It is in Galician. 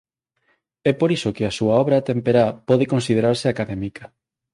É por iso que a súa obra temperá pode considerarse académica.